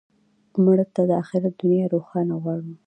مړه ته د آخرت دنیا روښانه غواړو